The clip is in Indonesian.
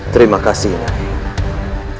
terima kasih nyai